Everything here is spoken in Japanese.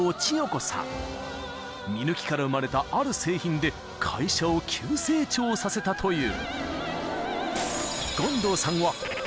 ［見抜きから生まれたある製品で会社を急成長させたという］